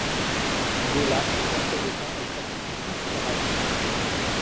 De là, perte de temps et fatigues considérables.